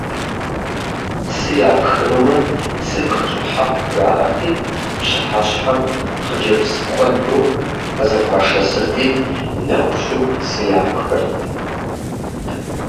Цы япхынумэ, «цыпх щӀыхьэху» жаӀэрти, пщыхьэщхьэм хъыджэбз куэду къызэхуашэсырти, нэху щыху цы япхырт.